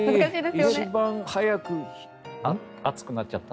一番早く暑くなっちゃった？